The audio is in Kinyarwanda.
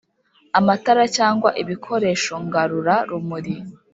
Amatara cyangwa ibikoresho ngarura-rumuri